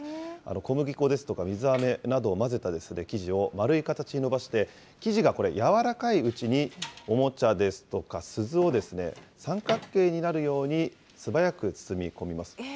小麦粉ですとか、水あめなどを混ぜた生地を丸い形に伸ばして、生地がこれ、柔らかいうちに、おもちゃですとか鈴を三角形になるように素早く包み込みます。